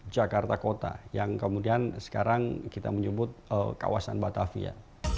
jakarta kota yang kemudian sekarang kita menyebut kawasan batavia